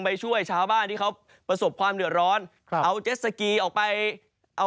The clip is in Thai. ไปช่วยชาวบ้านที่เขาประสบความเดือดร้อนครับเอาเจ็ดสกีออกไปเอา